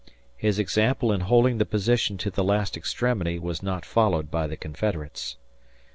His example in holding the position to the last extremity was not followed by the Confederates.